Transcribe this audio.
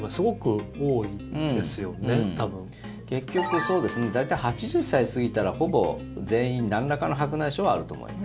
結局大体８０歳過ぎたらほぼ全員、なんらかの白内障はあると思います。